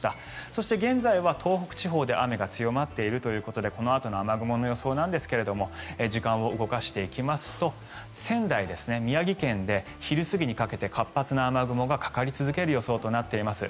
そして現在は東北地方で雨が強まっているということでこのあとの雨雲の予想なんですが時間を動かしていきますと仙台ですね、宮城県で昼過ぎにかけて活発な雨雲がかかり続ける予想となっています。